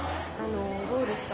どうですか？